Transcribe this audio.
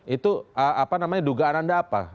itu dugaan anda apa